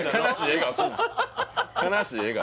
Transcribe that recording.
悲しい笑顔